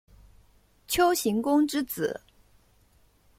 丘行恭之子。